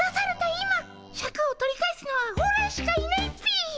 今シャクを取り返すのはオラしかいないっピ！